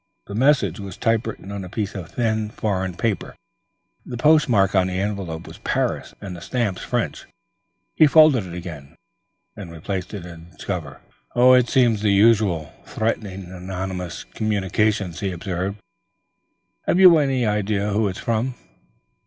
The message was typewritten on a piece of thin foreign paper; the postmark on the envelope was Paris, and the stamps French. He folded it again and replaced it in its cover. "It seems the usual threatening anonymous communication," he observed. "Have you any idea who it's from?"